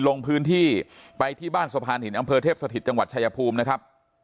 ลงพื้นที่ไปที่บ้านสะพานหินอำเภอเทพสถิตจังหวัดชายภูมินะครับ